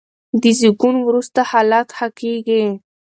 د زېږون وروسته حالت ښه کېږي.